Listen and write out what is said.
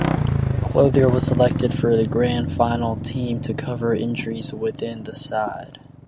Clothier was selected for the grand final team to cover injuries within the side.